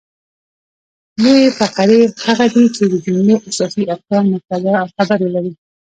لویي فقرې هغه دي، چي د جملې اساسي ارکان مبتداء او خبر ولري.